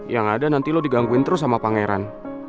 yang ada nanti lo digangguin terus sama pangeran